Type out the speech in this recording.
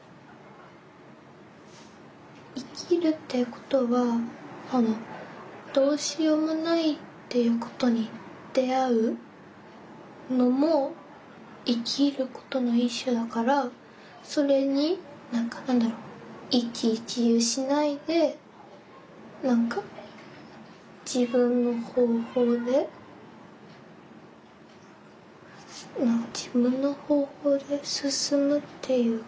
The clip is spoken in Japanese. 生きるっていうことはどうしようもないっていうことに出会うのも生きることの一種だからそれに何か何だろう一喜一憂しないで何か自分の方法で自分の方法で進むっていうか。